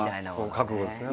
覚悟ですね。